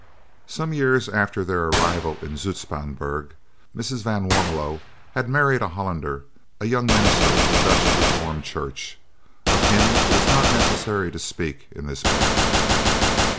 VAN WARMELO.] Some years after their arrival in Zoutpansberg, Mrs. van Warmelo had married a Hollander, a young minister of the Dutch Reformed Church. Of him it is not necessary to speak in this book.